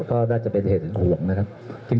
ก็น่าจะเป็นเหตุห่วงนะครับ